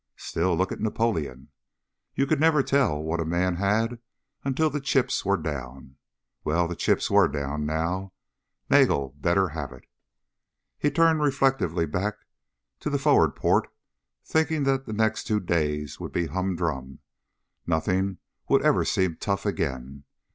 Still, look at Napoleon. You could never tell what a man had until the chips were down. Well, the chips were down. Nagel better have it. He turned reflectively back to the forward port thinking that the next two days would be humdrum. Nothing would ever seem tough again.